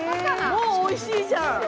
もうおいしいじゃん。